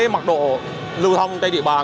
mặt độ lưu thông trên địa bàn